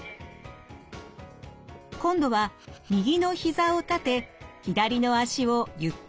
今度は右のひざを立て左の脚をゆっくり持ち上げます。